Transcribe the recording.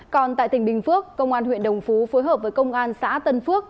còn tại tỉnh bình phước công an huyện đồng phú phối hợp với công an xã tân phước